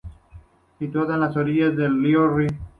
Situada en las orillas del río Li.